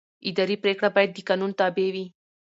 اداري پرېکړه باید د قانون تابع وي.